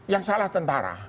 yang salah tentara